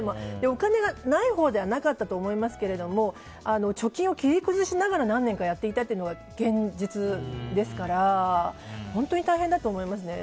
お金がないほうではなかったと思いますけど貯金を切り崩しながら何年かやっていたのが現実ですから本当に大変だと思いますね。